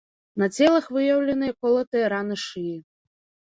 На целах выяўленыя колатыя раны шыі.